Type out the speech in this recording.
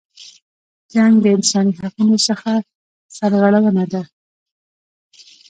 جنګ د انسانی حقونو څخه سرغړونه ده.